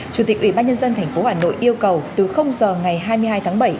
chủ tịch ủy ban nhân dân tp hà nội yêu cầu từ giờ ngày hai mươi hai tháng bảy